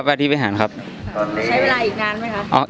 ใช้เวลาอีกนานไหมครับใช้เวลาหยั่งไหนบ้าง